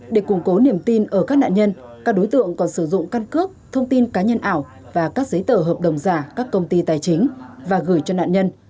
để củng cố niềm tin ở các nạn nhân các đối tượng còn sử dụng căn cước thông tin cá nhân ảo và các giấy tờ hợp đồng giả các công ty tài chính và gửi cho nạn nhân